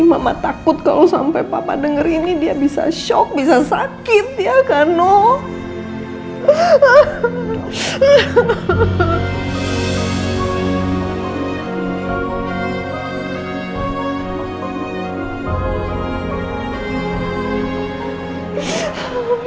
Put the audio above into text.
mama takut kalau sampai papa dengar ini dia bisa shock bisa sakit ya kano